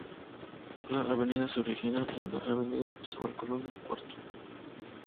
La avenida se origina en la Avenida Cristóbal Colón del puerto.